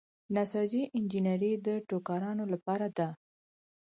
نساجي انجنیری د ټوکرانو لپاره ده.